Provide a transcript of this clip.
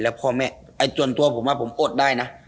แล้วพ่อแม่จนตัวผมว่าผมอดได้นะ